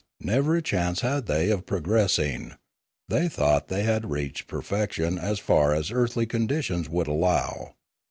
Never a chance had they of pro gressing; they thought they had reached perfection as far as earthly conditions would allow.